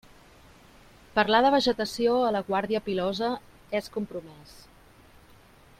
Parlar de vegetació a la Guàrdia Pilosa és compromès.